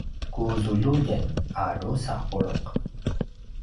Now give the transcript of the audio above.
ku zululjen a drusa puluq